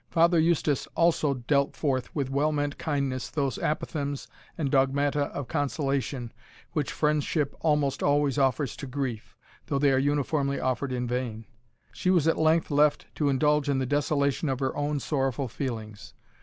Father Eustace also dealt forth with well meant kindness those apophthegms and dogmata of consolation, which friendship almost always offers to grief, though they are uniformly offered in vain. She was at length left to indulge in the desolation of her own sorrowful feelings.